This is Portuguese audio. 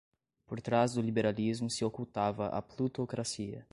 por trás do liberalismo se ocultava a plutocracia